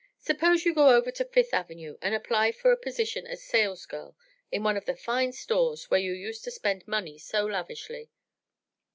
Suppose you go over to Fifth Avenue and apply for a position as sales girl in one of the fine stores where you used to spend money so lavishly?"